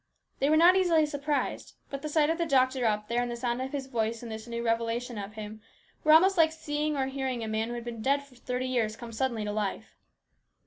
They were not easily surprised, but the sight of the doctor up there, and the sound of his voice in this new revelation of him, were almost like seeing or hearing a man who had been dead for thirty years come suddenly to life.